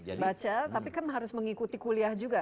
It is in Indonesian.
baca tapi kan harus mengikuti kuliah juga